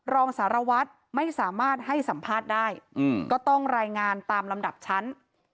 รองสารวัตรไม่สามารถให้สัมภาษณ์ได้ก็ต้องรายงานตามลำดับชั้น